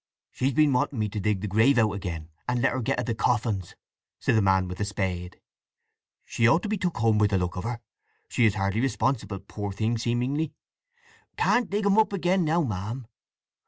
"She's been wanting me to dig out the grave again, and let her get to the coffins," said the man with the spade. "She ought to be took home, by the look o' her. She is hardly responsible, poor thing, seemingly. Can't dig 'em up again now, ma'am.